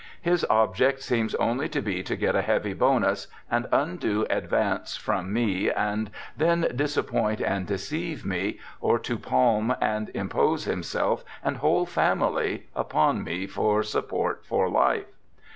His object seems only to be to get a heavy bonus and undue advance from me and then disappoint and deceive me, or to palm and impose himself and whole family upon me for support for life.